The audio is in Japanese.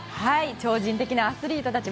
超人的なアスリートたち。